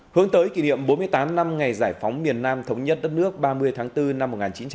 hướng tới kỷ niệm bốn mươi tám năm ngày giải phóng miền nam thống nhất đất nước ba mươi tháng bốn năm một nghìn chín trăm bảy mươi năm